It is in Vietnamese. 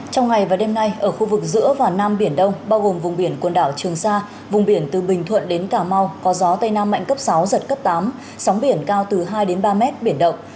trong ngày và đêm nay ở khu vực giữa và nam biển đông bao gồm vùng biển quần đảo trường sa vùng biển từ bình thuận đến cà mau có gió tây nam mạnh cấp sáu giật cấp tám sóng biển cao từ hai ba mét biển động